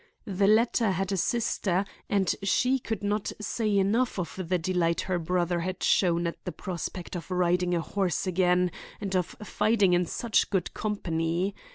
The latter had a sister and she could not say enough of the delight her brother had shown at the prospect of riding a horse again and of fighting in such good company.